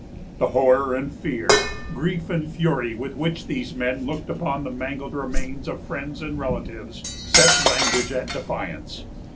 The horror and fear, grief and fury, with which these men looked upon the mangled remains of friends and relatives, set language at defiance.